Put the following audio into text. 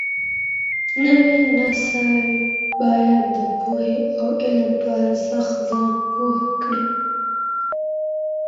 نوی نسل بايد د پوهي او علم په ارزښت ځان پوه کړي.